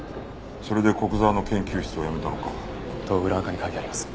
それで古久沢の研究室を辞めたのか。と裏アカに書いてあります。